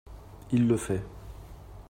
Il le fait